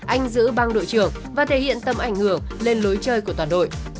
anh giữ băng đội trưởng và thể hiện tầm ảnh hưởng lên lối chơi của toàn đội